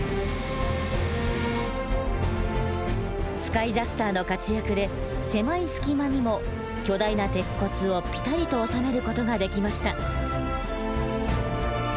スカイジャスターの活躍で狭い隙間にも巨大な鉄骨をピタリと収める事ができました。